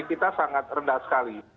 kita sangat rendah sekali